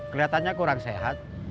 keliatannya kurang sehat